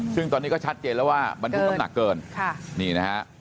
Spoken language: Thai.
ซึ่งตอนนี้ก็ชัดเจนแล้วว่าบรรทุกน้ำหนักเกินค่ะนี่นะฮะ